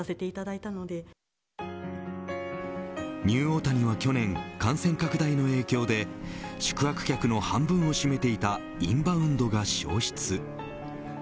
ニューオオタニは去年感染拡大の影響で宿泊客の半分を占めていたインバウンドが消失。